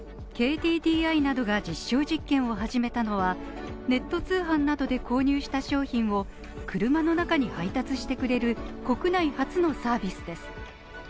ＫＤＤＩなどが実証実験を始めたのはネット通販などで購入した商品を車の中に配達してくれる国内初のサービスです